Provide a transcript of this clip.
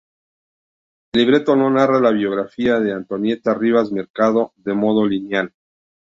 El libreto no narra la biografía de Antonieta Rivas Mercado de modo lineal.